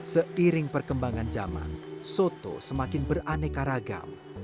seiring perkembangan zaman soto semakin beraneka ragam